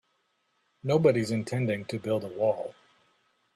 Nobody's intending to build a wall.